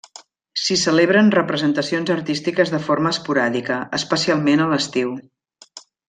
S'hi celebren representacions artístiques de forma esporàdica, especialment a l'estiu.